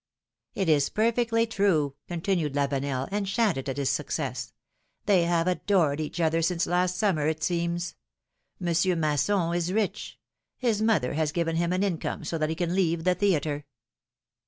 It is perfectly true," continued Lavenel, enchanted at philom^:ne's marriages. 311 his success. ^^They have adored each other since last summer, it seems. Monsieur Masson is rich ; his mother has given him an income so that he can leave the theatre.